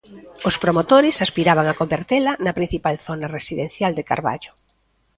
Os promotores aspiraban a convertela na principal zona residencial de Carballo.